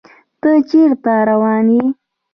ته چيرته روان يې